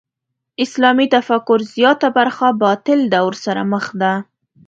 اسلامي تفکر زیاته برخه باطل دور سره مخ ده.